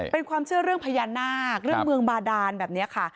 เป็นความเชื่อเรื่องพญานาคเรื่องเมืองบาดานแบบนี้ค่ะ